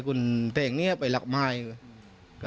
แกเห็นอยาละพัง